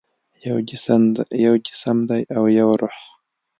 یو جسم دی او یو روح